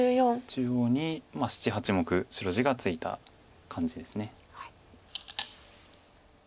中央に７８目白地がついた感じです。